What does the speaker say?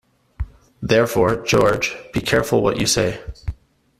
Therefore, George, be careful what you say.